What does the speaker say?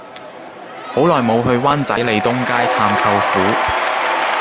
好耐無去灣仔利東街探舅父